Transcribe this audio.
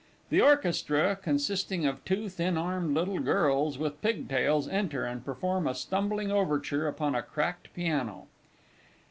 [_The Orchestra, consisting of two thin armed little girls, with pigtails, enter, and perform a stumbling Overture upon a cracked piano.